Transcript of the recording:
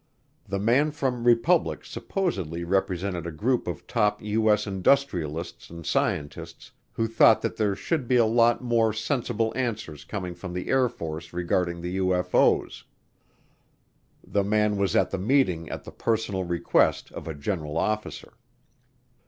The man from Republic supposedly represented a group of top U.S. industrialists and scientists who thought that there should be a lot more sensible answers coming from the Air Force regarding the UFO's. The man was at the meeting at the personal request of a general officer.